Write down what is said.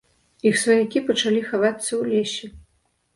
Іх сваякі пачалі хавацца ў лесе.